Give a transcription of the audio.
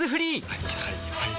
はいはいはいはい。